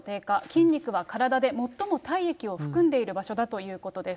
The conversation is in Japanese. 筋肉は体で最も体液を含んでいる場所だということです。